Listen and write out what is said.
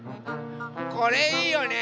これいいよね。